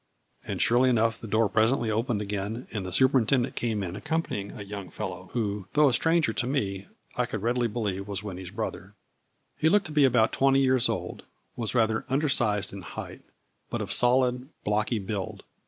And, surely enough the door presently opened again, and the superintendent came in accompanying a young fellow, who, though a stranger to me, I could readily believe was Winnie's brother. He looked to be about twenty years old, was rather undersized in height, but of solid, blocky build.